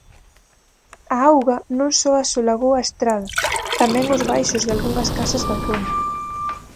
A auga non só asolagou a estrada, tamén os baixos dalgunhas casas da zona.